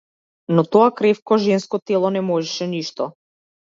Но тоа кревко женско тело не можеше ништо.